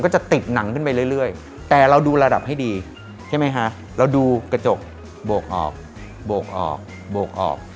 จะติดหนังขึ้นไปเรื่อยแต่เราดูระดับให้ดีใช่ไหมคะเราดูกระจกโบกออกโบกออกโบกออก